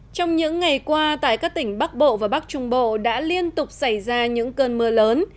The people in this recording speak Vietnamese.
trong những ngày qua tại các tỉnh bắc bộ và bắc trung bộ đã liên tục xảy ra những cơn mưa lớn